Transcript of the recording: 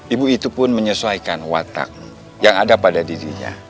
ibu itu pun menyesuaikan watak yang ada pada dirinya